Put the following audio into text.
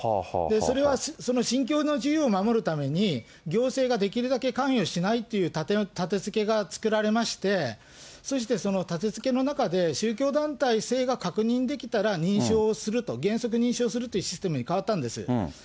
それはその信教の自由を守るために、行政ができるだけ関与しないというたてつけが作られまして、そしてそのたてつけの中で、宗教団体性が確認できたら認証をすると、原則認証するというシステムに変わったんです。